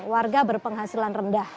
warga berpenghasilan rendah